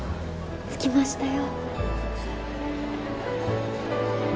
着きましたよ